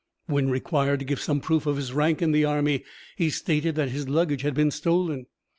When required to give some proof of his rank in the army, he stated that his luggage had been stolen.